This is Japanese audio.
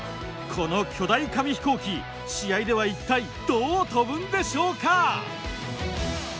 この巨大紙飛行機試合では一体どう飛ぶんでしょうか？